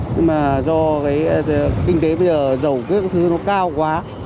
nhưng mà do cái kinh tế bây giờ dầu các thứ nó cao quá